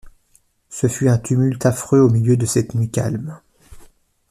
Ce fut un tumulte affreux au milieu de cette nuit calme.